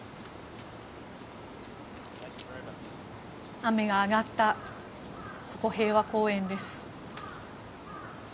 雨が上がった平和公園です。